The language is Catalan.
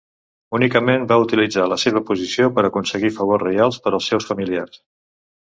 Únicament va utilitzar la seva posició per aconseguir favors reials per als seus familiars.